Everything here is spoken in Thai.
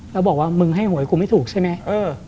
แล้วบอกว่ามึงให้หวยกูไม่ถูกใช่ไหม